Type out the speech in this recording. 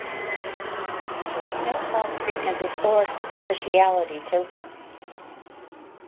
There was no false pretenses or superficiality to him.